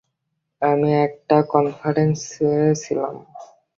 আমি একটা কনফারেন্সে ছিলাম।